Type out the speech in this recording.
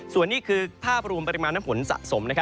ส่วนนี้คือภาพรวมปริมาณน้ำฝนสะสม